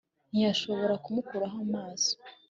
ntiyashoboraga kumukuraho amaso